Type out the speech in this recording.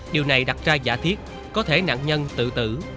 điều này đặt ra giả thiết có thể nạn nhân tự tử